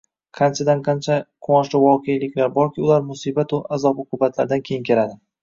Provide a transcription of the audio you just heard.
Qanchadan-qancha quvonchli voqeliklar borki, ular musibatu azob-uqubatlardan keyin keladi!